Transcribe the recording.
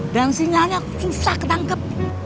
dan sinyalnya susah ketangkep